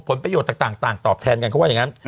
ผลประโยชน์ต่างตอบแทนกันเขาว่าอย่างนั้น